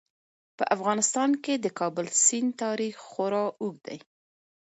په افغانستان کې د کابل سیند تاریخ خورا اوږد دی.